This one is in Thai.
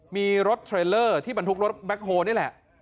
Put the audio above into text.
มีรถเทรลเลอร์ที่บรรทุกรถแบ็คโฮนี่แหละ